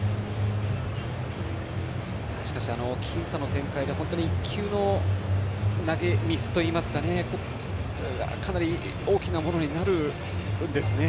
しかし、僅差の展開で１球の投げミスといいますかかなり大きなものになるんですね。